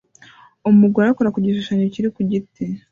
Umugore akora ku gishushanyo kiri ku giti